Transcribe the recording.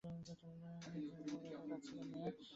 তোমার একটাই কাজ ছিল, মেয়ার।